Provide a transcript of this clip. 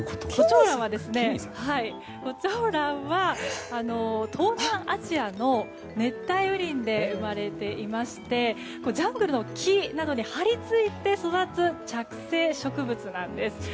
胡蝶蘭は東南アジアの熱帯雨林で生まれていましてジャングルの木などに張り付いて育つ着生植物なんです。